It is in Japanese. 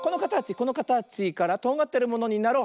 このかたちからとんがってるものになろう。